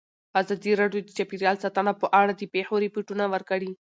ازادي راډیو د چاپیریال ساتنه په اړه د پېښو رپوټونه ورکړي.